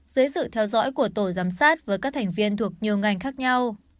dưới sự theo dõi của tổ giám sát với các thành viên thuộc nhiều ngành khác nhau